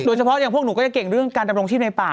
โดยเฉพาะอย่างพวกหนูก็จะเก่งด้วยกันการทำลงชีพในป่า